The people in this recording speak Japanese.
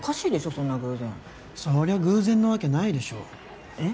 そんな偶然そりゃ偶然のわけないでしょえっ？